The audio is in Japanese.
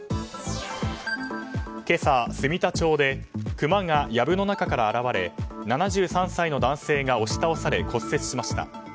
今朝、住田町でクマが藪の中から現れ７３歳の男性が押し倒され骨折しました。